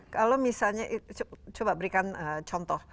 kalau misalnya coba berikan contoh